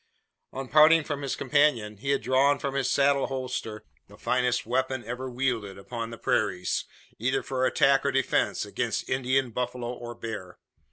On parting from his companion, he had drawn from his saddle holster the finest weapon ever wielded upon the prairies either for attack or defence, against Indian, buffalo, or bear.